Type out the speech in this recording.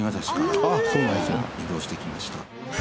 移動してきました。